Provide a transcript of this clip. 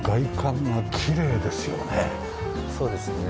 そうですね。